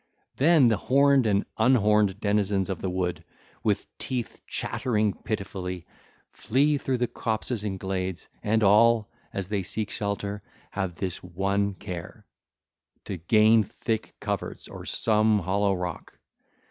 Then the horned and unhorned denizens of the wood, with teeth chattering pitifully, flee through the copses and glades, and all, as they seek shelter, have this one care, to gain thick coverts or some hollow rock.